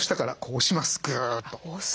押す。